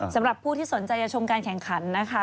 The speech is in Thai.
สำหรับผู้ที่สนใจจะชมการแข่งขันนะคะ